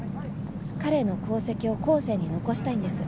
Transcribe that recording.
彼の功績を後世に残したいんです。